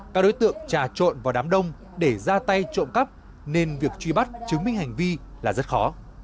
các đối tượng trà trộn vào đám đông để ra tay trộm cắp nên việc truy bắt chứng minh hành vi là rất khó